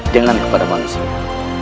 jangan kepada manusia